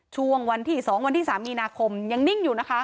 ช่วงวันที่๒วันที่๓มีนาคมยังนิ่งอยู่นะคะ